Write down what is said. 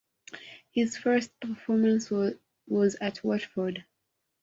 His first performance was at Watford.